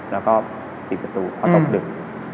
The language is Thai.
เราก็ติดประตูพอตกดึก